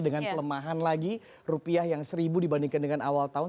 dengan pelemahan lagi rupiah yang seribu dibandingkan dengan awal tahun